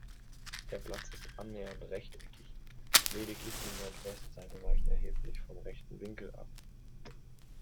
Der Platz ist annähernd rechteckig, lediglich die Nord-West-Seite weicht erheblich vom rechten Winkel ab.